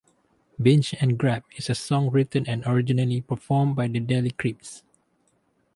Binge and Grab is a song written and originally performed by the Deli Creeps.